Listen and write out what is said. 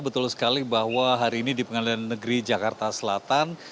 betul sekali bahwa hari ini di pengadilan negeri jakarta selatan